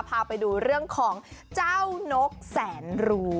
พาไปดูเรื่องของเจ้านกแสนรู้